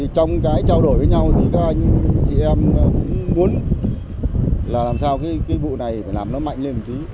trong cái trao đổi với nhau thì các anh chị em cũng muốn là làm sao cái vụ này phải làm nó mạnh lên một tí